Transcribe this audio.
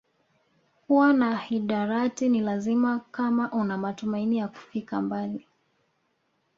Kuwa na hidarati ni lazima kama una matumaini ya kufika mbali